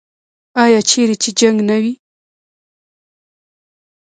آیا چیرې چې جنګ نه وي؟